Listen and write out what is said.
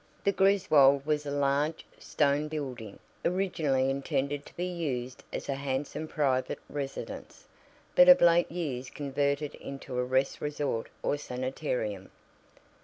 The Griswold was a large, stone building, originally intended to be used as a handsome private residence, but of late years converted into a rest resort or sanitarium.